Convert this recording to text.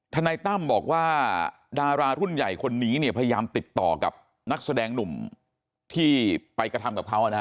นายตั้มบอกว่าดารารุ่นใหญ่คนนี้เนี่ยพยายามติดต่อกับนักแสดงหนุ่มที่ไปกระทำกับเขานะฮะ